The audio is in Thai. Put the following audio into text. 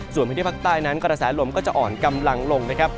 ส่วนพื้นที่ภาคใต้นั้นกระแสลมก็จะอ่อนกำลังลงนะครับ